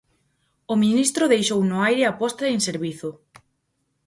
O ministro deixou no aire a posta en servizo.